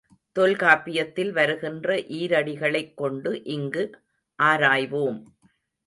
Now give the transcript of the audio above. தொல்காப்பியத்தில் வருகின்ற ஈரடிகளைக் கொண்டு இங்கு ஆராய்வோம்.